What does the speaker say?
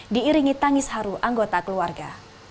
diiringi tangis haru anggota keluarga